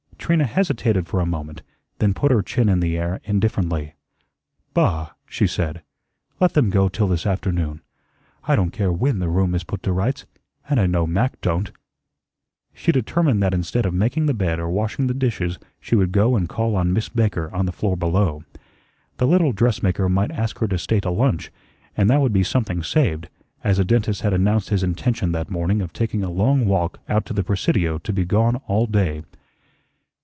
Trina hesitated for a moment, then put her chin in the air indifferently. "Bah!" she said, "let them go till this afternoon. I don't care WHEN the room is put to rights, and I know Mac don't." She determined that instead of making the bed or washing the dishes she would go and call on Miss Baker on the floor below. The little dressmaker might ask her to stay to lunch, and that would be something saved, as the dentist had announced his intention that morning of taking a long walk out to the Presidio to be gone all day.